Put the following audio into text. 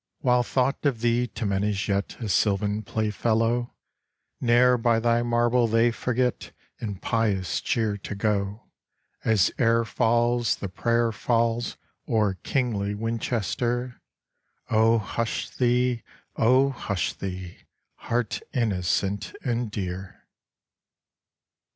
While thought of thee to men is yet A sylvan playfellow, Ne'er by thy marble they forget In pious cheer to go. As air falls, the prayer falls O'er kingly Winchester: O hush thee, O hush thee! heart innocent and dear.